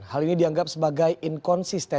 hal ini dianggap sebagai inkonsisten